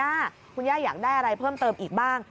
ย่าคุณย่าอยากได้อะไรเพิ่มเติมอีกบ้าง